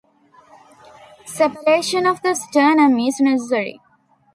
Separation of the sternum is necessary.